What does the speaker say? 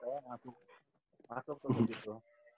jadi saya masuk ke situ